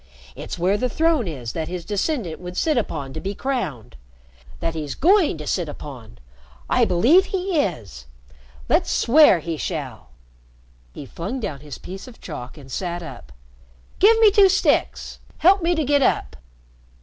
It's where the throne is that his descendant would sit upon to be crowned that he's going to sit upon. I believe he is! Let's swear he shall!" He flung down his piece of chalk and sat up. "Give me two sticks. Help me to get up."